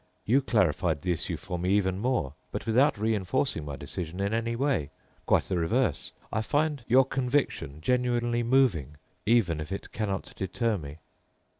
You clarified the issue for me even more, but without reinforcing my decision in any way—quite the reverse. I find your conviction genuinely moving, even if it cannot deter me."